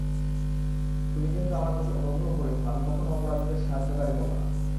তুমি যেহেতু আমার প্রতি অনুগ্রহ করেছ, আমি কখনও অপরাধীদের সাহায্যকারী হবো না।